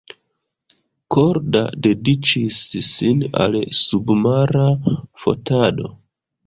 Korda dediĉis sin al submara fotado.